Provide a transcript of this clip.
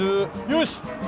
よし！